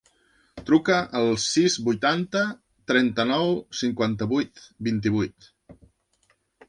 Truca al sis, vuitanta, trenta-nou, cinquanta-vuit, vint-i-vuit.